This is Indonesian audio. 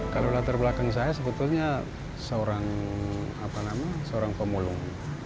kalau latar belakang saya sebetulnya seorang pemulung